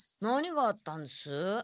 何があったんです？